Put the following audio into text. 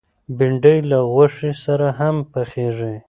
بېنډۍ له غوښې سره هم پخېږي